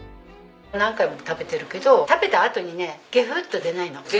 何回も食べてるけど食べたあとにねゲフッと出ないの。